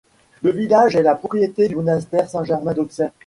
Le village est la propriété du monastère Saint-Germain d'Auxerre.